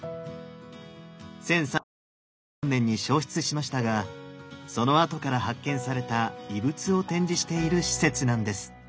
１３３３年に焼失しましたがその跡から発見された遺物を展示している施設なんです。